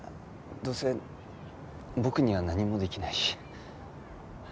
どうせ僕には何もできないし。